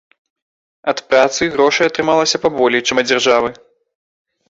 Ад працы грошай атрымалася паболей, чым ад дзяржавы.